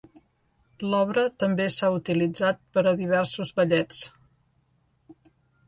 L'obra també s'ha utilitzat per a diversos ballets.